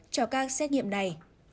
cho các xét nghiệm này